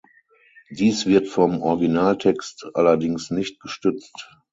Dies wird vom Originaltext allerdings nicht gestützt.